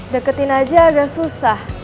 deketin aja agak susah